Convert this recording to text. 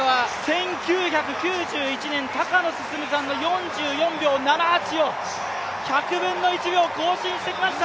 １９９１年、高野進さんの４４秒７８を１００分の１秒を更新しました！